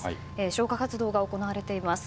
消火活動が行われています。